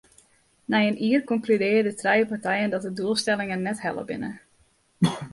Nei in jier konkludearje de trije partijen dat de doelstellingen net helle binne.